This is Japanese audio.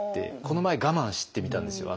この前我慢してみたんですよ。